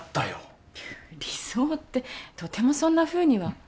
いや理想ってとてもそんなふうには。